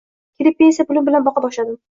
Kelib pensiya pulim bilan boqa boshladim